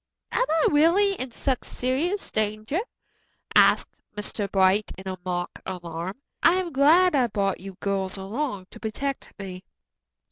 "Am I really in such serious danger?" asked Mr. Bright in mock alarm. "I am glad I brought you girls along to protect me."